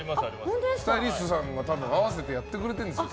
スタイリストさんが合わせてやってくれてるんですよ